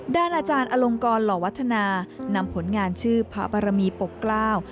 ด้านอาจารย์อลงกรหล่อวัฒนานำผลงานชื่อพระบรมีปกเกล้า